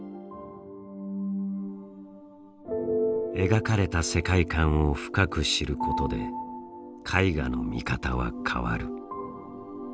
描かれた世界観を深く知ることで絵画の見方は変わる。